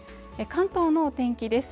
関東のお天気です